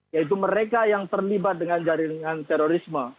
yaitu mereka yang terlibat dengan jaringan terorisme